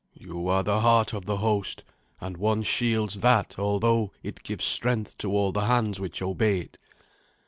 You are the heart of the host, and one shields that although it gives strength to all the hands which obey it."